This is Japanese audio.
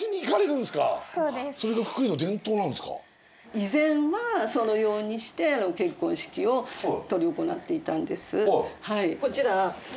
以前はそのようにして結婚式を執り行っていたんです。